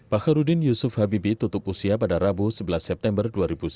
pak harudin yusuf habibie tutup usia pada rabu sebelas september dua ribu sembilan belas